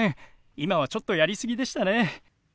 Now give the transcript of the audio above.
今はちょっとやり過ぎでしたね。